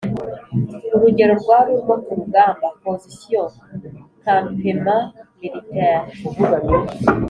Urugerero rwari urwo ku rugamba (position/campement militaire),